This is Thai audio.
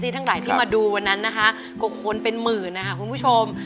ทั้งหลายที่มาดูวันนั้นนะคะก็คนเป็นหมื่นนะคะคุณผู้ชม